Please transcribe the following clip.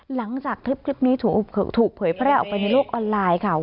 หลังจากคลิปนี้ถูกเผยแพร่ออกไปในโลกออนไลน์ค่ะ